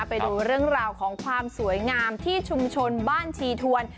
ไปดูเรื่องราวของความสวยงามที่ชุมชนบ้านชีทวน